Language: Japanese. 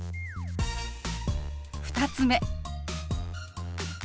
２つ目。